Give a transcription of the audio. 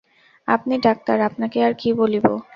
আপনি ডাক্তার, আপনাকে আর কী বলিব।